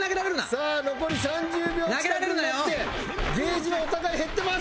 さあ残り３０秒近くになってゲージはお互い減ってます。